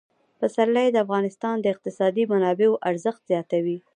پسرلی د افغانستان د اقتصادي منابعو ارزښت زیاتوي.